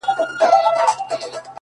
o ددې ښـــــار څــــو ليونـيـو،